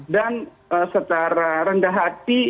dan secara rendah hati